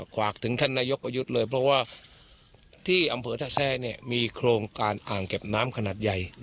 ฝากถึงท่านนายกประยุทธ์เลยเพราะว่าที่อำเภอท่าแซ่เนี่ยมีโครงการอ่างเก็บน้ำขนาดใหญ่